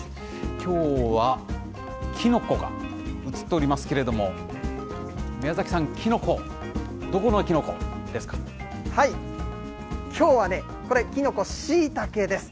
きょうは、きのこが映っておりますけれども、宮崎さん、きょうはね、これ、きのこ、しいたけです。